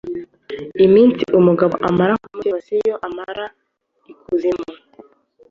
Iminsi umugabo amara kwa mukeba si yo amara ikuzimu.